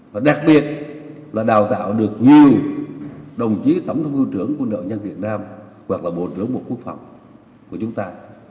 và đặc biệt là đào tạo được nhiều đồng chí tổng thống ưu trưởng của đội dân việt nam hoặc là bộ trưởng bộ quốc phòng của chúng ta